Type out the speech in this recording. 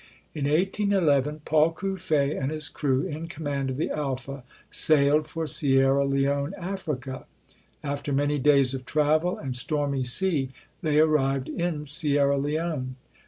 In 1811, Paul Cuffe and his crew, in command PAUL CUFFE [257 of "The Alpha" sailed for Sierra Leone, Africa. After many days of travel and stormy sea, they arrived in Sierra Leone.